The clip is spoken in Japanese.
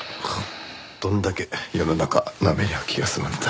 どんだけ世の中なめりゃ気が済むんだ。